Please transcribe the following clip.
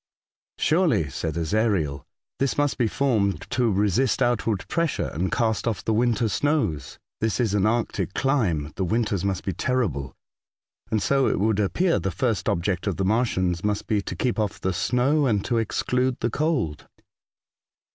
'' Surely," said Ezariel, '' this must be formed to resist outward pressure, and cast off the winter snows. This is an Arctic clime. The winters must be terrible, and so it would appear the first object of the Martians must be to keep off the snow, and to exclude the cold."